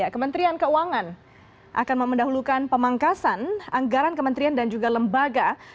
kementerian keuangan akan memendahulukan pemangkasan anggaran kementerian dan juga lembaga